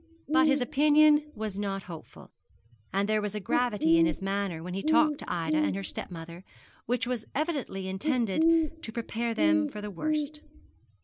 But his opinion was not hopeful; and there was a gravity in his manner when he talked to Ida and her stepmother which was evidently intended to prepare them for the worst.